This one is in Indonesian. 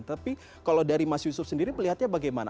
tapi kalau dari mas yusuf sendiri melihatnya bagaimana